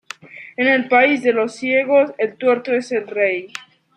En el país de los ciegos, el tuerto es el rey